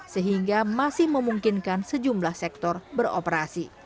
sehingga masih memungkinkan sejumlah sektor beroperasi